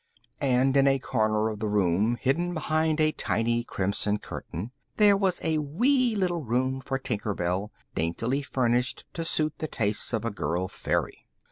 And in a corner of the room, hidden behind a tiny crimson curtain, there was a wee little room for Tinker Bell, daintily furnished to suit the tastes of girl fairy.